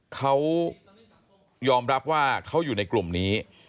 เขายอมรับว่าเขาอยู่ในกลุ่มนี้